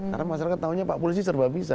karena masyarakat tahunya pak polisi serba bisa